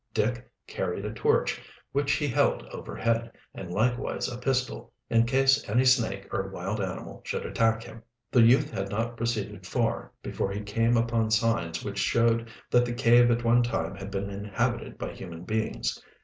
Dick carried a torch, which he held overhead, and likewise a pistol, in case any snake or wild animal should attack him. The youth had not proceeded far before he came upon signs which showed that the cave at one time had been inhabited by human beings.